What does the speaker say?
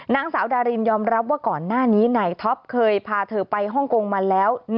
นางสาวดารินยอมรับว่าก่อนหน้านี้นายท็อปเคยพาเธอไปฮ่องกงมาแล้ว